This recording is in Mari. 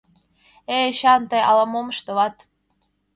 Эй, Эчан, тый ала-мом ыштылат..